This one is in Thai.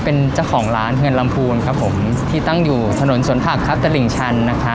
เป็นเจ้าของร้านเฮือนลำพูนที่ตั้งอยู่ถนนสวนผักตะลิงชัน